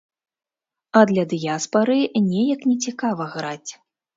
А для дыяспары неяк нецікава граць.